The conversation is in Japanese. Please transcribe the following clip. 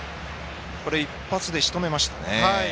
１発でしとめましたね。